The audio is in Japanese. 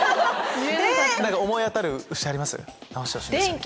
何か思い当たる節あります？